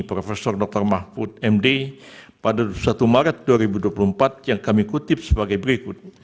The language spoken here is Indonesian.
prof dr mahfud md pada satu maret dua ribu dua puluh empat yang kami kutip sebagai berikut